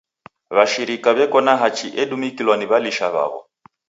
W'ashirika w'eko na hachi edumikilwa ni w'alisha w'aw'o.